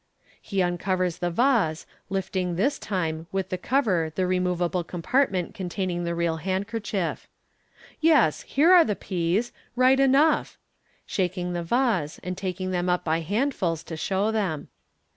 '' He uncovers the vase, lifting this time with the cover the moveable com partment containing the real handkerchief. " Yes, here are the peas, right enough," shaking the vase, and taking them up by handfuls to show them.